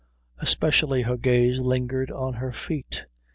Especially her gaze lingered on her feet.